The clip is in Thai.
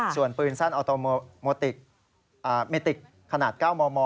ส่วนปืนสั้นออโตโมติกเมติกขนาด๙มม